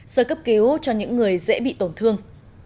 sơ cấp cứu cho những người dễ bị tổn thương